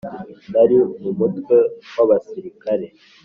Nari mu mutwe w abasirikare